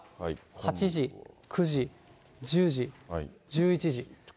８時、９時、１０時、１１時。